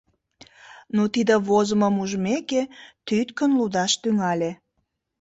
Но тиде возымым ужмеке, тӱткын лудаш тӱҥале: